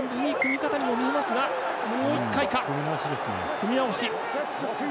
組み直し。